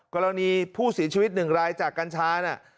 กรณีผู้เสียชีวิต๑รายจากกัญชาน่ะ